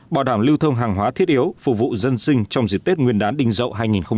bảo đảm lưu thông hàng hóa thiết yếu phục vụ dân sinh trong dịp tết nguyên đán đinh dậu hai nghìn một mươi bảy